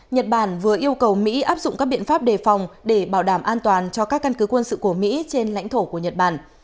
nhật bản vừa yêu cầu mỹ áp dụng các biện pháp đề phòng để bảo đảm an toàn cho các căn cứ quân sự của mỹ trên lãnh thổ của nhật bản